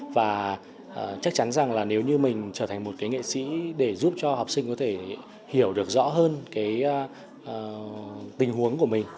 và chắc chắn rằng nếu như mình trở thành một nghệ sĩ để giúp cho học sinh có thể hiểu được rõ hơn tình huống của mình